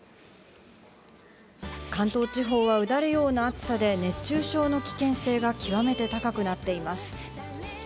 関東地方は、うだるような暑さで、熱中症の危険性がきわめて高くなっています。